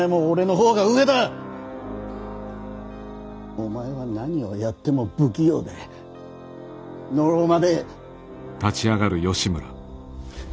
お前は何をやっても不器用でのろまで。